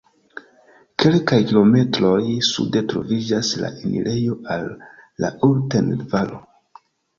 Kelkaj kilometroj sude troviĝas la enirejo al la Ulten-Valo.